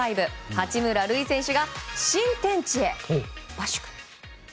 八村塁選手が新天地へ。